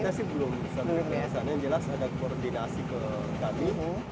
kita sih belum sampai ke sana yang jelas ada koordinasi ke kami